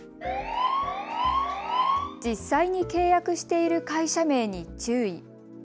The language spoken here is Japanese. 実際に契約している会社名に注意。